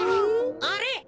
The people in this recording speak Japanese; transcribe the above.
あれ？